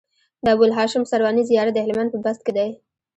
د ابوالهاشم سرواني زيارت د هلمند په بست کی دی